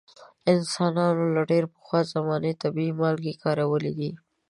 انسانانو له ډیرو پخوا زمانو طبیعي مالګې کارولې دي.